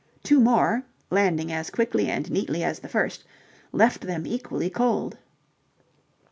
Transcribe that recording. Two more, landing as quickly and neatly as the first, left them equally cold.